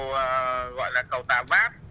cửa khẩu tà váp